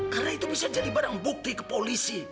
karena itu bisa jadi barang bukti ke polisi